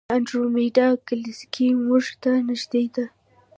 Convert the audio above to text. د انډرومیډا ګلکسي موږ ته نږدې ده.